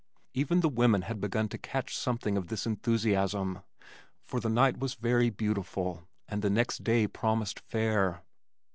Even the women had begun to catch something of this enthusiasm, for the night was very beautiful and the next day promised fair.